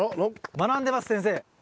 学んでます先生。